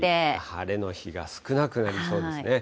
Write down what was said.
晴れの日が少なくなりそうですね。